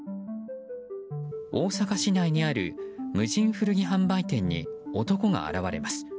大阪市内にある無人古着販売店に男が現れます。